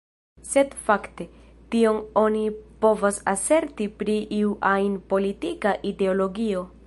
Sed fakte, tion oni povas aserti pri iu ajn politika ideologio.